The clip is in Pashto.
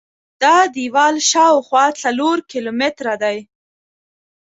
دا دیوال شاوخوا څلور کیلومتره دی.